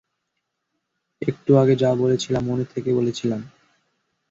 একটু আগে যা বলেছিলাম, মন থেকে বলেছিলাম।